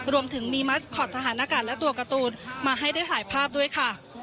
รวมถึงมีมัสคอตทหารอากาศและตัวการ์ตูนมาให้ได้ถ่ายภาพด้วยค่ะ